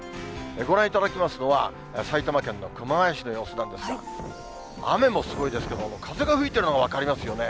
ご覧いただきますのは、埼玉県の熊谷市の様子なんですが、雨もすごいですけれども、風が吹いてるの分かりますよね。